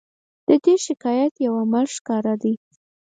د دې شکایت یو عامل ښکاره دی.